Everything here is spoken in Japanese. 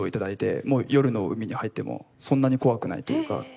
もう夜の海に入ってもそんなに怖くないというか。